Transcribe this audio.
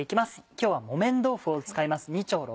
今日は木綿豆腐を使います。